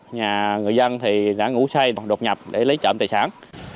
nhà người dân thì đã ngủ say đột nhập để lấy trộm tài sản